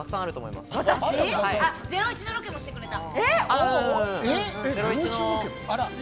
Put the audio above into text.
いま『ゼロイチ』のロケもしてくれた。